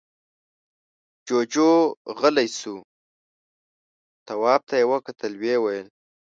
جُوجُو غلی شو. تواب ته يې وکتل، ويې ويل: